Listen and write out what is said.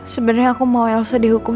sebenarnya aku mau elsa dihukum